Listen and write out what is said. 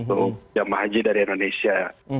untuk jemaah haji dari indonesia